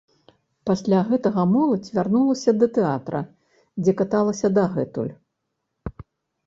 Пасля гэтага моладзь вярнулася да тэатра, дзе каталася дагэтуль.